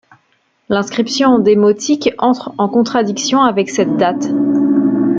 L'inscription en démotique entre en contradiction avec cette date.